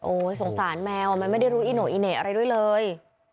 สงสารแมวมันไม่ได้รู้อิโน่อีเหน่อะไรด้วยเลย